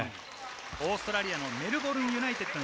オーストラリアのメルボルン・ユナイテッドに